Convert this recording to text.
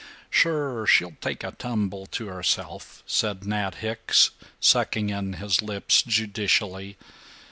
"Sure. She'll take a tumble to herself," said Nat Hicks, sucking in his lips judicially.